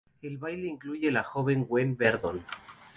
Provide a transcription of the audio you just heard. El baile incluye a la joven Gwen Verdon.